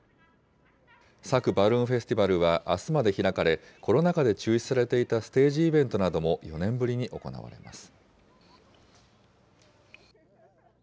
佐久バルーンフェスティバルはあすまで開かれ、コロナ禍で中止されていたステージイベントなども、４年ぶりに行われます。